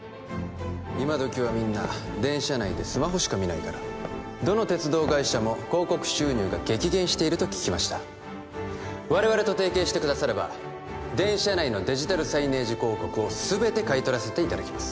今どきはみんな電車内でスマホしか見ないからどの鉄道会社も広告収入が激減していると聞きました我々と提携してくだされば電車内のデジタルサイネージ広告を全て買い取らせていただきます